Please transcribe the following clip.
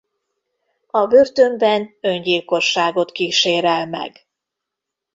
A börtönben öngyilkosságot kísérel meg.